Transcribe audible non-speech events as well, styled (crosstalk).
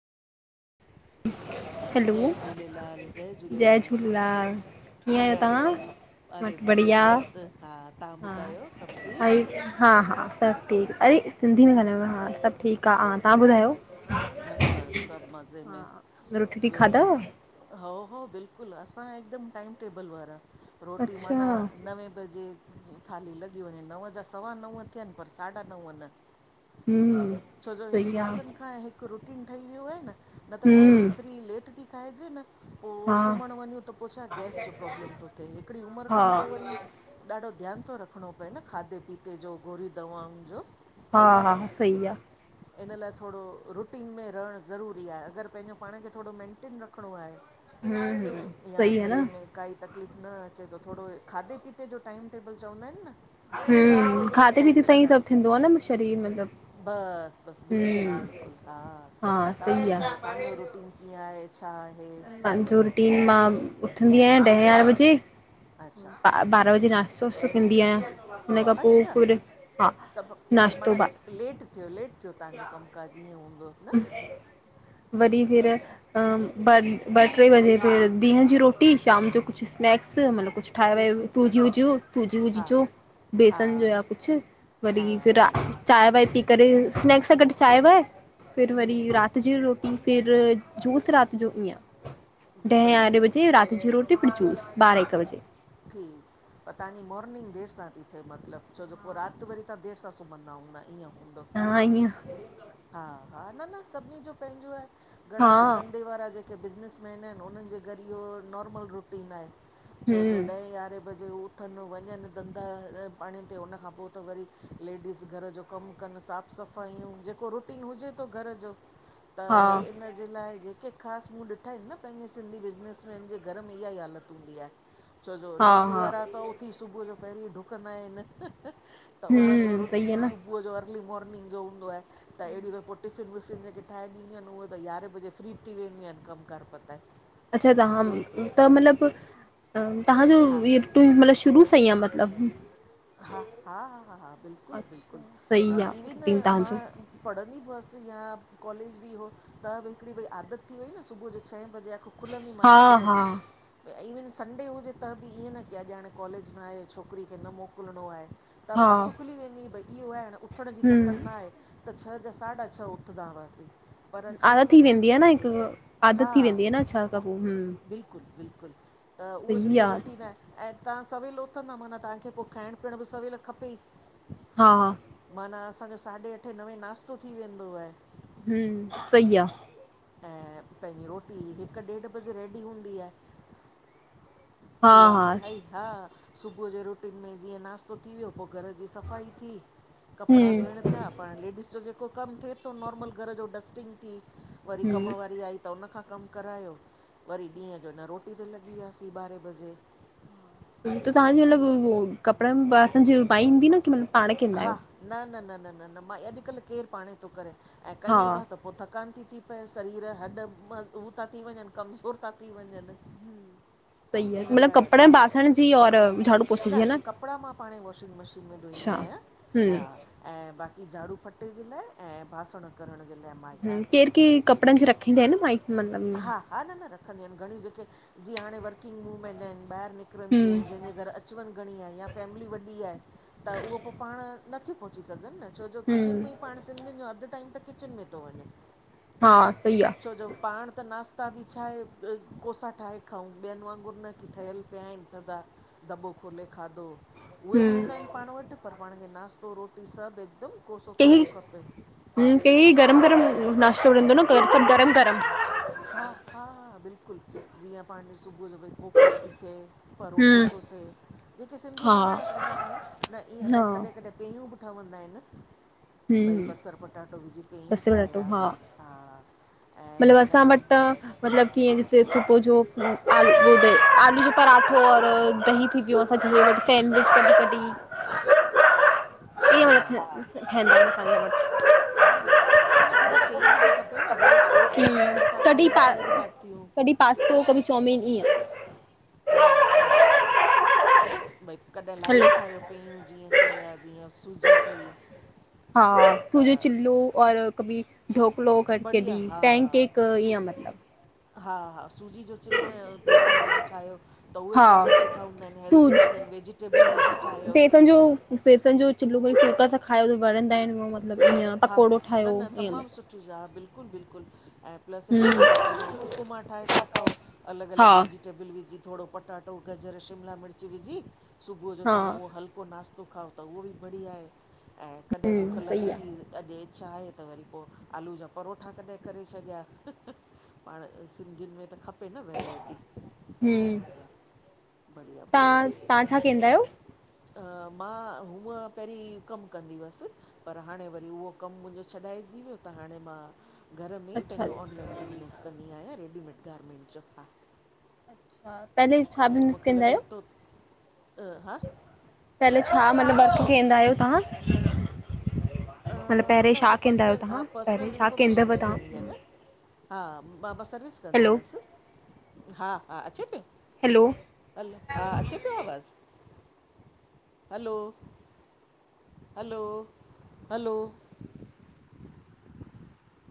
Hello, जय झूलेलाल जय झूलेलाल कीअं आहियो, मां अरे त बढ़िया मस्तु! हा तव्हां हा ॿुधायो सभु ठीकु? हाई हा हा सभु ठीक, अरे सिंधी में ॻाल्हांएणो आ हा, सभु ठीकु आ हा तव्हां ॿुधायो? बसि- बसि, सभु मज़े में हा, रोटी वोटी ॿियो बुध खाधव? हाओ- हाओ बिल्कुलु, असां हिकदमि टाइम टेबल वारा। रोटी अच्छा, माना नवे बजे थाली लॻी वंञें नव जा सवा नव थियनि पर साढा नव न हम्म छोजो सही आ, सालनि खां हिकु रुटीन ठही वियो आहे न, न त छाहे हम्म जेतिरी लेट थी खाएजे न पो हा सुम्हणं वंञूं त पो छा गैस जो प्रॉब्लम तो थिए हिकिड़ी उमरि हा खां पो वरी ॾाढो ध्यानु थोऐ रखिणो पए, न खाधे पीते जो गोरी दवाउनि जो हा हा सही आ इन्ह लाए थोड़ो रुटीन में रहण ज़रूरी आहे, अगरि पंहिंजो पांण खे थोड़ो मेंटेन रखिणो आहे। हम्म हम्म या सही आ शरीर न, में काई तकलीफ़ न अचे जो थोड़ो खाधे पीते जो टाइम टेबल चवंदा हिनि न बई हम्म खाधे सही पीते सां ई रखणु, सभु थींदो आ न शरीर मतिलबु बसि। बिल्कुलु हम्म -बिल्कुलु हा, हा तहां सही आ, ॿुधायो तहांजो रुटीन कीअं आहे, छा आहे? पांजो रूटीन, मां उथंदी आहियां ॾहें यारहें बजे अच्छा ॿारां बजे नाश्तो वाश्तो कंदी आहियां, उन खां पो अच्छा फिर हा पर नाश्तो माना ब लेट थियो लेट थियो तव्हांजो कमुकाज ईह्यें हूंदो। न वरी फिर अम ॿ ट्रे बजे फिर दिन जी रोटी, शाम जो कुछु स्नैक्स मतलब कुछु ठाहे- वाहे बिल्कुलु सूजी वूजू, बिल्कुलु सूजी वूजी हा जो हा बेसन जो या कुछु हा वरी फिर रा चांय वाय पी करे, स्नैक्स सां गॾु चांय वाय फिर वरी हम्म रात जी रोटी, फिर जूस रात जो पिया। ॾहे बढ़िया यारहें बजे राति जो रोटी फिर जूस ॿारहे हिक बजे। ठीक पर तहांजी मोर्निंग देरि सां ती थिए मतिलबु, छो जो पो राति वरी तहां देरि सां सुम्हंदा हूंदा ईअं हूंदो हा ईअं। हा -हा, न -न, सभिनी जो पंहिंजो आहे घंणा हा धंधे वारा जे जेके बिज़निसमैन आहिनि, उन्हनि जे घरु इह्यो नॉर्मल रुटीन आहे। छोजो हम्म ॾहें यारहें बजे हू उथनि वंञंनि धंधा पांणी ते उन खां पो त वरी लेडीस घर जो कमु कनि साफ़ु सफ़ाइयूं जेको रुटीन हुजे तो घर जो हा त इन जे लाए जेके ख़ासि मूंं ॾिठा हिनि न पंहिंजे सिंधी बिज़नसमैन जे घर में इह्याई हालति हुंदी आहे। छोजो हा नौकिरी हा वारा त उथी सुबुअ जो पहिरीं ॾुकंदा हिनि। त उन्हनि जो हम्म सही रुटीन आहे न सुबुअ जो अर्ली मोर्निंग जो हूंदो आहे त अहिड़ीूं पोइ टिफ़िन, विफ़िन जेके ठाहे ॾींदियूं आहिन उहे त यारहें बजे फ्री ब थी वेंदियूं आहिन, कमु कार पताए। अच्छा तहां त मतलबु, तहांजो इहे टूं मतलब शुरू साह ईी आ मत हा हा हा हा हा अच्छा सही बिल्कुलु-बिल्कुलु आहे इविन रूटीन मां तव्हांजो पढ़ंदी ब हुअसि या कॉलेज बि हो, त हिकिड़ी भई आदत थी वई न सुबुह जो छह बजे खुलंदी मां हा न हा खुलंदी भ इविन संडे हुजे त बि ईअं न की अॼु हाणे कॉलेज न आहे छोकिरी खे न मोकिलणो, आहे त बि हा अखि खुली वेंदी भई इहो आहे न उथण जी तकड़ि न हम्म आहे त छह जा साढा छह उथदा हुआसीं पर छहे आदत थी बजे वेंदी आहे न अखु, हिकु आदत हा थी वेंदी आहे न छा कबो हम्म बिल्कुलु-बिल्कुलु त उहो जेको रुटीन आहे ऐं तव्हां सवेल उ उथंदा, माना तहांखे पो खाइण पीअण बि सवेल खपे ई। हा। माना असांजो, साढे अठे नवे नाश्तो थी वेंदो आहे। हूं सई आ। ऐं पंहिंजी रोटी हिकु ॾेढु बजे रेडी हूंदी आहे। हा उहा हा खाई हा सुबुह जे रुटीन में जीअं नास्तो थी वियो, पो घर जी सफ़ाई थी, कपिड़ा हम्म धोइण थिया पाण लेडीस जो जेको कमु थिए तो नॉर्मल घर जो डस्टिंग थी, वरी कम हम्म वारी आई त उनखां कमु करायो, वरी ॾींहं जो न रोटी ते लॻी वियासीं ॿारहें बजे। त तहांजी मतलबु उहो कपिड़नि बासणन जी माईहूंदी न, कि मतलब हा न न न न न न मांई अॼुकल्ह केरु पाणे तो करे, ऐं हा कयूं ता त पो थकान ती थी पए, सरीर हॾ म उह ता थी वञनि कमज़ोर ता थी वञनि। सइ आ, इन मतलब लाइ कपड़नि हा बासण जी और झाड़ू पोछे जी न ह कपिड़ा मां पाणे वॉशिंग मशीन में अच्छा धोईंदी आहियां, हम्म हा ऐं बाक़ी झाड़ू पटे जे लाइ ऐं बासण करण जे लाइ माई। हं आहे केरु केरु कपड़नि जी रखींदा आहिन न माई। हा हा न न रखंदियूं आहिन घणियूं, जेके जीअं हाणे वर्किंग वूव्मैन आहिन ॿाहिरि निकिरनि, तियूं हम्म जंहिंजे घरु अच अचुवञु घणी आहे या फैमिली वॾी आहे त उहो पोइ पाण नथियूं पहुची सघनि न छो जो किचन हम्म में ई पाण सिंधियुनि, जो अधु टाइम त किचन में तो वञे। हा सही आ। छोजो पाण। त नाश्ता बि छा आहे कोसा ठाहे खाऊं, ॿियनि वांगुर न की ठहियल पिया आहिन थदा दॿो खोले खादो। उहे बि हम्म हूंदा आहिन पाण वटि पर पाण खे नासतो, रोटी सभु हिकदमि कोसो- कोसो खपे। हं केई गरम-गरम नाश्तों रिदो न गरम-गरम। हा हा हा बिल्कुलु जीअं पाण सुबुह जो कोकी ती थिए, परोठो हम्म तो थिए जेके सिंधी हा नाश्ता पंहिंजा आहिन न ईअं त हा कॾहिं कॾहिं पेयूं बि ठवंदा आहिन भई हम्म बसर पटाटो विझी पेयूं बसर अटो ठाहिया, हा ऐं मतिलबु इन असां खां वटि त मतलब कीअं ॾिस सुबुह जो लू आलू आलू जो पराठो और दही थी व व सेंडविच कॾी कॾी इं हा मान ठहंद (unintelligible) हा न न थोरी चेंज बि खपे न रोज़ कोकियूं ऐं परोठा हम्म, खाई कॾहिं बि पा तंग ता थियूं। कॾहिं पास्तो कभी चौउमिन ईअं। हा हा, भई कॾहिं हलो लाइट ठाहियो। पेयूं जीअं चया जीअं सूजी चई। हा त सूजीओ चिल्लो और कभी ढोकलो करे बढ़िया केॾी हा पेन केक सू ईअं मतिलबु। हा हा, सूजी जो चिल्लो ऐं बेसण विझी ठाहियो। त उहे हा बि ॾाढा सुठा हूंदा आहिनि हेल्दी था थियनि वेजिटेबल विझी ठाहियो। (unintelligible) बेसण जो चुलो व फुलका सां खायो वणंदा आहिन उ मतिलबु ईअं पकोड़ो ठाहियो ईअं ब या बिल्कुलु बिल्कुलु। ऐं प्लस इन खां हम्म पो पंहिंजो उपमा ठाहे था खाओ अलॻि अलॻि हा वेझी टेबल विझी थोरो पटाटो गजर शिमला मिर्च विझी सुबुह जो हा तव्हां उहो हम्म हलको नास्तो खाओ त उहो बि बढ़िया आहे ऐं कॾहिं बुख सही लॻे आ थी अॼु इच्छा आहे त वरी पो आलू जा परोठा कॾहिं करे छॾिया। पाण सिंधियुनि में त खपे न वैरायटी। हूं बढ़िया बढ़िया तहां तहां छा केंदा आयो? मां हूअं पेहिरीं कमु कंदी हुअसि। पर हाणे वरी उहो कमु मुंहिंजो छॾाइजी वियो त हाणे मां घर में अच्छा पंहिंजो ऑनलाइन बिज़नेस कंदी आहियां रेडीमेड गारर्मेंट जो हा। (unintelligible) ऐं मूंखे कंदा लॻे आहियो थो, अ हां। पहले छा मतलबु ॿक केंदा आयो तां? अ न उहो पर्सनल हा पहिरें पर्सनल छा इंफॉर्मेशन कंदव न ॾियणी आ तव्हां न। हा मां मां सर्विस कंदी हैलो हुअसि हा हा अचे ती। हैलो, हलो, हा अचे पियो आवाज़। Hello, hello. हलो,